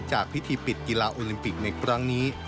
จากพิธีปิดกีฬาโอลิมปิกในครั้งนี้